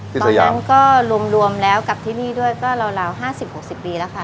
ที่สยามตอนนั้นก็รวมรวมแล้วกับที่นี่ด้วยก็ราวห้าสิบหกสิบปีแล้วค่ะ